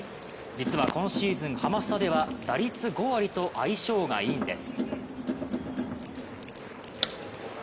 実は今シーズン、ハマスタでは打率５割と相性がいいんです。